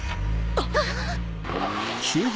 あっ！